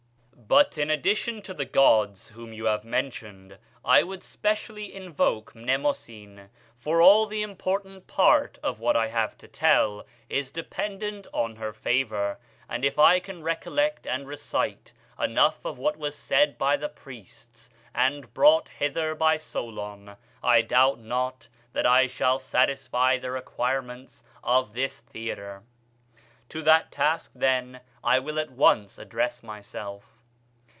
"But in addition to the gods whom you have mentioned, I would specially invoke Mnemosyne; for all the important part of what I have to tell is dependent on her favor, and if I can recollect and recite enough of what was said by the priests, and brought hither by Solon, I doubt not that I shall satisfy the requirements of this theatre. To that task, then, I will at once address myself.